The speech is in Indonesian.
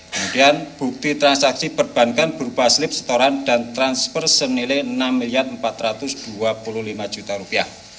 kemudian bukti transaksi perbankan berupa slip setoran dan transfer senilai rp enam empat ratus dua puluh lima